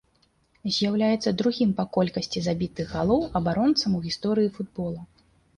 З'яўляецца другім па колькасці забітых галоў абаронцам у гісторыі футбола.